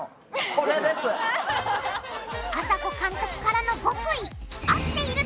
あさこ監督からの極意！